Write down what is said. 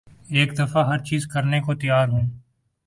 ایک دفعہ ہر چیز کرنے کو تیار ہوں